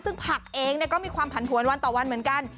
ซึ่งผักเองก็มีความผันผวนวันต่อวันเหมือนกัน